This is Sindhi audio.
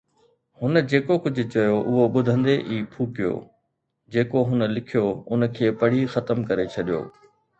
هن جيڪو ڪجهه چيو، اهو ٻڌندي ئي ڦوڪيو، جيڪو هن لکيو، ان کي پڙهي ختم ڪري ڇڏيو.